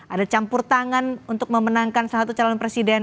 ada campur tangan untuk memenangkan salah satu calon presiden